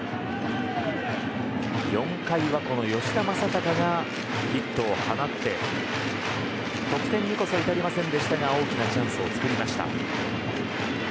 ４回は、この吉田正尚がヒットを放って得点にこそ至りませんでしたが大きなチャンスをつくりました。